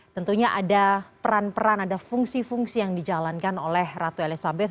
tentunya ada peran peran ada fungsi fungsi yang dijalankan oleh ratu elizabeth